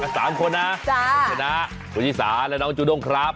กับ๓คนนะคุณน้าคุณยี่สาและน้องจูด้งครับ